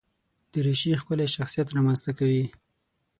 دریشي ښکلی شخصیت رامنځته کوي.